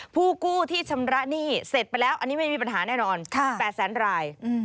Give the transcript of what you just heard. ผู้กู้ที่ชำระหนี้เสร็จไปแล้วอันนี้ไม่มีปัญหาแน่นอน๘แสนราย